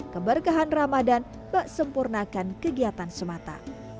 keberkahan ramadan memperbaiki kegiatan semata